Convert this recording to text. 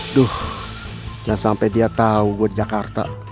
aduh jangan sampai dia tau gue di jakarta